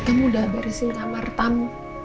kamu udah beresin kamar tamu